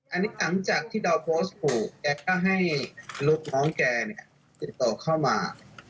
อันนี้หลังจากที่ดาวน์โพสต์กูแกก็ให้ลูกน้องแกติดต่อเข้ามา